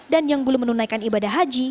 dan yang belum menunaikan ibadah haji